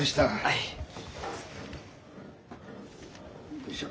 よいしょ。